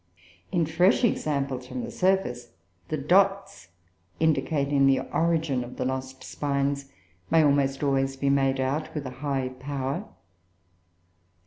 In fresh examples from the surface, the dots indicating the origin of the lost spines may almost always be made out with a high power.